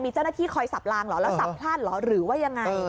มีเจ้าหน้าที่คอยสับรางหรือหรือว่าอย่างไร